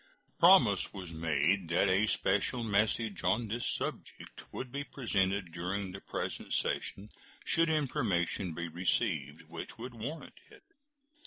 Promise was made that a special message on this subject would be presented during the present session should information be received which would warrant it.